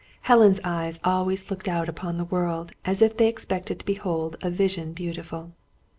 Helen's eyes always looked out upon the world, as if they expected to behold a Vision Beautiful.